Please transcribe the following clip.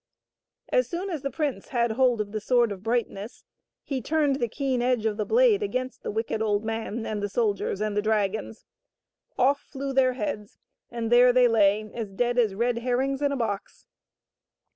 As soon as the prince had hold of the Sword of Brightness, he turned the keen edge of the blade against the wicked old man and the soldiers and the dragons; off flew their heads, and there they lay as dead as red herrings in a box.